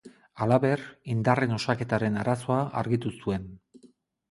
Halaber, indarren osaketaren arazoa argitu zuen.